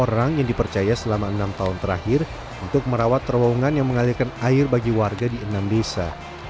delapan orang yang dipercaya selama enam tahun terakhir untuk merawat terowongan yang mengalirkan air bagi warga di enam desa